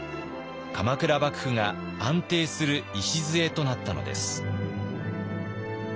鎌倉幕府が安定する礎となったのです。